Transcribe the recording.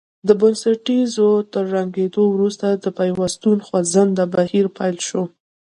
د بنسټونو تر ړنګېدو وروسته د پیوستون خوځنده بهیر پیل شو.